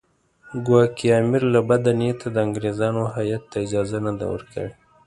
ګواکې امیر له بده نیته د انګریزانو هیات ته اجازه نه ده ورکړې.